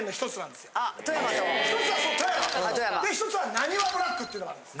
で１つはなにわブラックっていうのがあるんです。